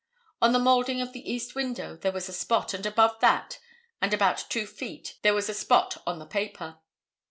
On the moulding of the east window there was a spot, and above that and about two feet there was a spot on the paper.